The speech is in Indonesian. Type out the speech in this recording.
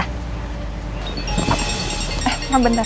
eh ma bentar